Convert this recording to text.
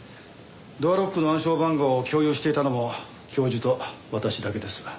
ドアロックの暗証番号を共有していたのも教授と私だけです。